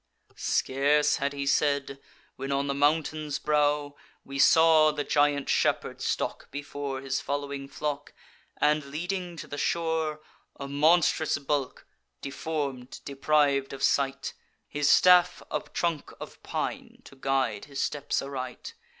"Scarce had he said, when on the mountain's brow We saw the giant shepherd stalk before His following flock, and leading to the shore: A monstrous bulk, deform'd, depriv'd of sight; His staff a trunk of pine, to guide his steps aright.